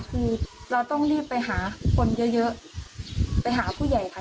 คือเราต้องรีบไปหาคนเยอะไปหาผู้ใหญ่ค่ะ